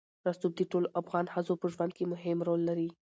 رسوب د ټولو افغان ښځو په ژوند کې هم رول لري.